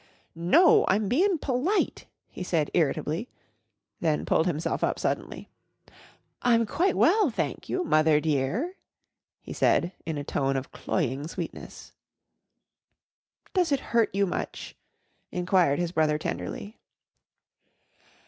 "No. I'm bein' p'lite," he said irritably, then pulled himself up suddenly. "I'm quite well, thank you, Mother dear," he said in a tone of cloying sweetness. "Does it hurt you much?" inquired his brother tenderly.